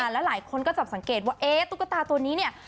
แล้วหลายคนก็จับสังเกตว่าตุ๊กตาตัวนี้เนี่ย